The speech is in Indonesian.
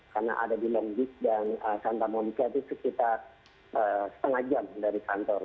karena ada di long beach dan santa monica itu sekitar setengah jam dari kantor